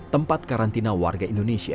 tempat karantina warga indonesia